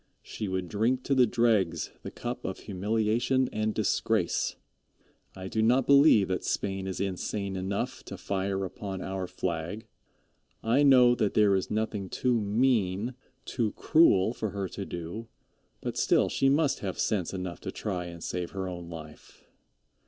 She would drink to the dregs the cup of humiliation and disgrace. I do not believe that Spain is insane enough to fire upon our flag. I know that there is nothing too mean, too cruel for her to do, but still she must have sense enough to try and save her own life.